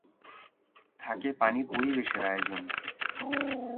থাকে পানি পরিবেশনের আয়োজন।